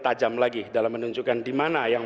tajam lagi dalam menunjukkan dimana yang